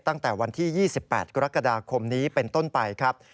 ตั้งแต่วันที่๒๘กรกฎาคมนี้เป็นต้นไปครับ